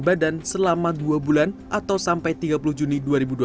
badan selama dua bulan atau sampai tiga puluh juni dua ribu dua puluh